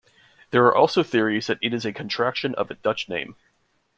There are also theories that it is a contraction of a Dutch name.